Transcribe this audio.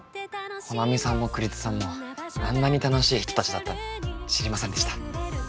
穂波さんも栗津さんもあんなに楽しい人たちだったなんて知りませんでした。